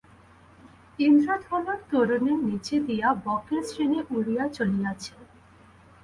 ইন্দ্রধনুর তোরণের নীচে দিয়া বকের শ্রেণী উড়িয়া চলিয়াছে।